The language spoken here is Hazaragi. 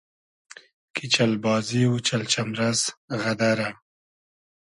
کی چئل بازی و چئل چئمرئس غئدئرۂ